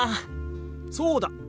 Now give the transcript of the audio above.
そうだ！